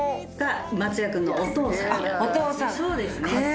松也君のお父さん。